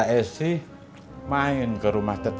kebetulan kau pasti pasti